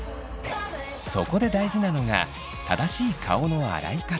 そこで大事なのが正しい顔の洗い方。